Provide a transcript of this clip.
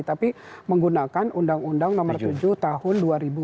tapi menggunakan undang undang nomor tujuh tahun dua ribu dua